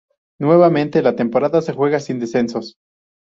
Nuevamente la temporada se juega sin descensos.